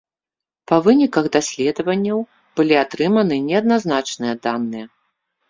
Па выніках даследаванняў былі атрыманы неадназначныя даныя.